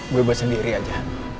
gue buat sendiri aja